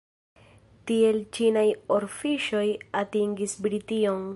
Tiel ĉinaj orfiŝoj atingis Brition.